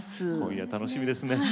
今夜、楽しみです。